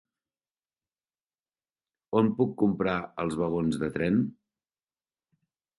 On puc comprar els vagons de tren?